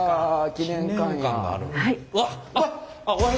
記念館がある。